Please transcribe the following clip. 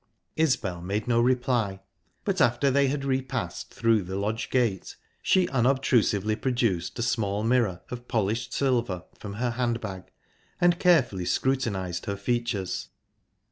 Isbel made no reply, but after they had repassed through the lodge gate she unobtrusively produced a small mirror of polished silver from her handbag and carefully scrutinized her features.